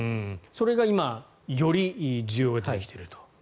それが今より需要が出てきていると。